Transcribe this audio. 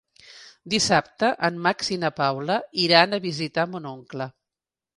Dissabte en Max i na Paula iran a visitar mon oncle.